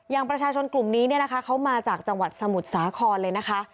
อย่างประชาชนกลุ่มนี้เนี่ยนะคะเขามาจากจังหวัดสมุทรสาครเลยนะคะ